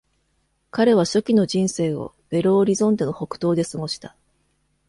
彼は初期の人生をベロオリゾンテの北東で過ごした。